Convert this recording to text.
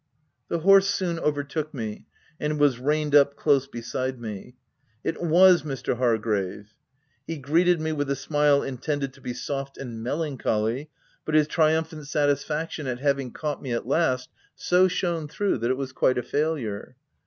The horse soon overtook me, and was reined up close beside me. It was Mr. Hargrave. He greeted me with a smile intended to be soft and melancholy » but his triumphant satisfaction at OP WILDFELL HALL. 359 having caught me at last, so shone through, that it was quite a failure.